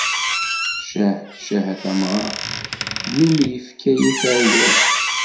Ccah ccah a tamɣart, mmi-m yefka-yi taryalt.